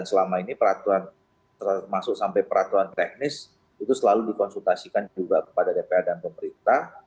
selama ini peraturan termasuk sampai peraturan teknis itu selalu dikonsultasikan juga kepada dpr dan pemerintah